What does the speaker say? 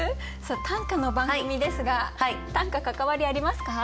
短歌の番組ですが短歌関わりありますか？